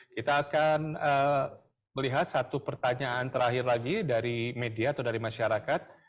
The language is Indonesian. kita akan melihat satu pertanyaan terakhir lagi dari media atau dari masyarakat